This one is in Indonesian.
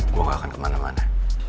gue gak akan kemana mana